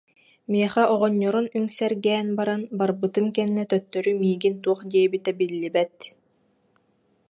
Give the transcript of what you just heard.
Миэхэ оҕонньорун үҥсэргээн баран, барбытым кэннэ төттөрү миигин туох диэбитэ биллибэт